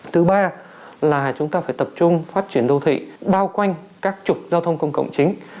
thứ ba là chúng ta phải tập trung phát triển đô thị bao quanh các trục giao thông công cộng chính